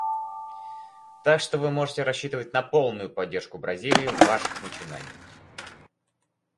Так что вы можете рассчитывать на полную поддержку Бразилии в ваших начинаниях.